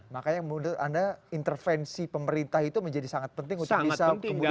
makanya menurut anda intervensi pemerintah itu menjadi sangat penting untuk bisa kemudian